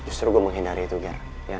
justru gue menghindari itu ger